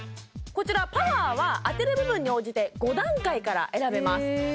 こちらパワーは当てる部分に応じて５段階から選べます